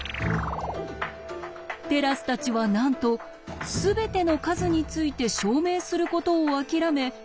テラスたちはなんと「すべての数」について証明することを諦め